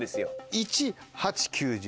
１８９１０。